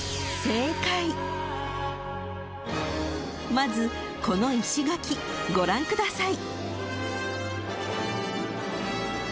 ［まずこの石垣ご覧ください］